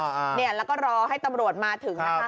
ใช่ค่ะเนี่ยแล้วก็รอให้ตำรวจมาถึง